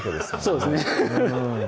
そうですね